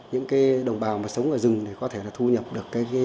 những cái đồng bào mà sống ở rừng thì có thể là thu nhập được cái dược liệu này